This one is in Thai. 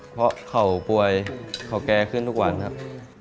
เพราะเขาป่วยเขาแก่ขึ้นทุกวันครับ